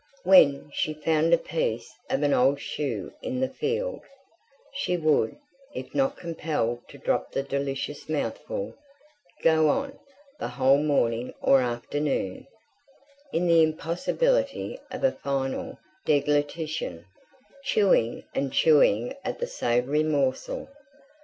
When she found a piece of an old shoe in the field, she would, if not compelled to drop the delicious mouthful, go on, the whole morning or afternoon, in the impossibility of a final deglutition, chewing and chewing at the savoury morsel.